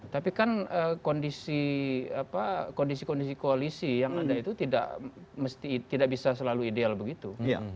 tapi kan kondisi kondisi koalisi yang ada itu tidak bisa selalu ideal begitu